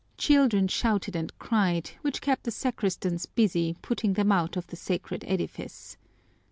Children shouted and cried, which kept the sacristans busy putting them out of the sacred edifice.